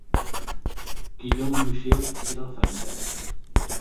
Guillaume Bouchier era el francès.